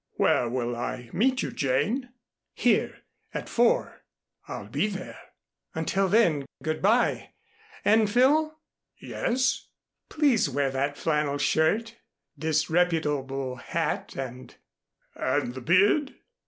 "Where will I meet you, Jane?" "Here at four." "I'll be there." "Until then, good by, and, Phil " "Yes." "Please wear that flannel shirt, disreputable hat and " "And the beard?"